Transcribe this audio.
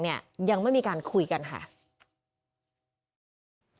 ยังไม่มีการคุยกันค่ะ